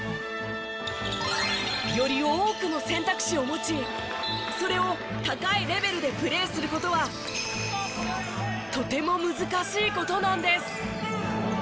より多くの選択肢を持ちそれを高いレベルでプレーする事はとても難しい事なんです。